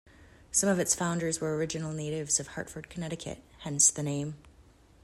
Some of its founders were original natives of Hartford, Connecticut, hence the name.